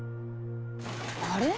あれ？